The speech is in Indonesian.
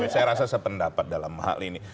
saya rasa sependapat dalam hal ini